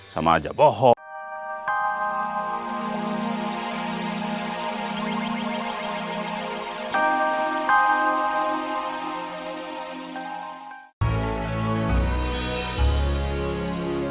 sama aja bohong